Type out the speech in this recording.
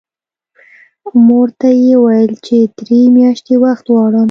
مور ته یې وویل چې درې میاشتې وخت غواړم